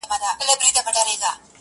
هره ټپه مي ځي میراته د لاهور تر کلي.!